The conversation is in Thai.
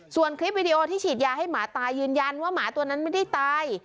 ส่วนคลิปวิดีโอที่ฉีดยาให้หมาตายยืนยันว่าหมาตัวนั้นไม่ได้ตาย